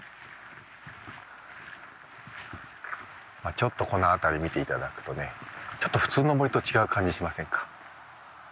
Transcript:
ちょっとこの辺り見て頂くとね普通の森と違う感じしませんか？